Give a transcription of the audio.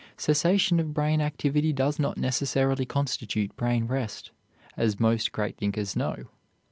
Cessation of brain activity does not necessarily constitute brain rest, as most great thinkers know.